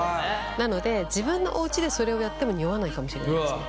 なので自分のおうちでそれをやってもにおわないかもしれないですね。